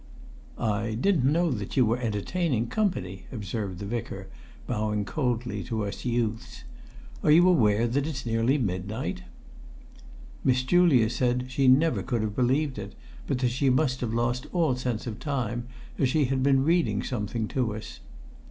"I didn't know that you were entertaining company," observed the Vicar, bowing coldly to us youths. "Are you aware that it's nearly midnight?" Miss Julia said she never could have believed it, but that she must have lost all sense of time, as she had been reading something to us.